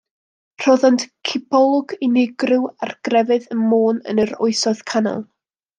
Rhoddant gipolwg unigryw ar grefydd ym Môn yn yr Oesoedd Canol.